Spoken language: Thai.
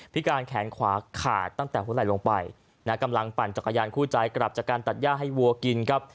การแขนขวาขาดตั้งแต่หัวไหล่ลงไปนะกำลังปั่นจักรยานคู่ใจกลับจากการตัดย่าให้วัวกินครับ